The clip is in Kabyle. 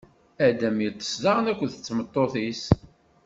Adam iṭṭeṣ daɣen akked tmeṭṭut-is.